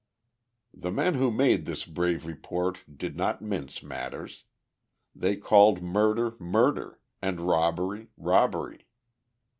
The men who made this brave report did not mince matters. They called murder, murder; and robbery, robbery.